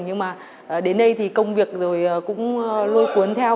nhưng mà đến đây thì công việc rồi cũng lôi cuốn theo